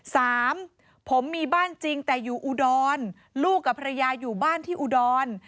สามผมมีบ้านจริงแต่อยู่อุดรลูกกับภรรยาอยู่บ้านที่อุดร